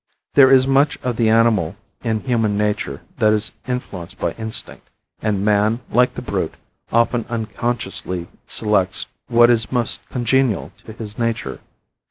There is much of the animal in human nature that is influenced by instinct, and man, like the brute, often unconsciously selects what is most congenial to his nature.